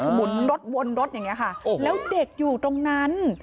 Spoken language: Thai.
หมุนรถวนรถอย่างนี้ค่ะแล้วเด็กอยู่ตรงนั้น